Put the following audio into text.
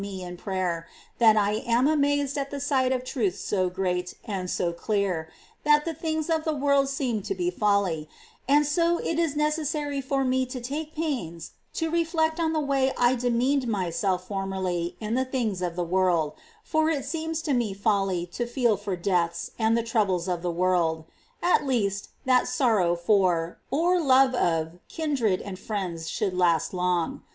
me in prayer, that I am amazed at the sight of truths so great and so clear that the things of the world seem to be folly ; and so it is necessary for me to take pains to reflect on the way I demeaned myself formerly in the things of the world, for it seems to me folly to feel for deaths and the troubles of the world, — at least, that sorrow for, or love of, ^ See Life, ch. vii. § 2. 382 s. teeesa's relations [rel. i. kindred and friends should last long.